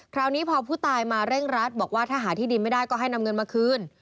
คราวนี้พอผู้ตายมาเร่งรัดบอกว่าถ้าหาที่ดินไม่ได้ก็ให้นำเงินมาคืน